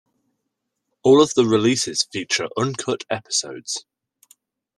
All of the releases feature uncut episodes.